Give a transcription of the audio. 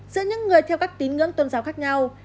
giữa những người theo các tín ngưỡng tôn giáo khác nhau